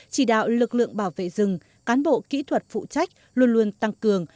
chỉ đạo lực lượng bảo vệ rừng cán bộ kỹ thuật phụ trách luôn luôn tăng cường